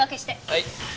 はい。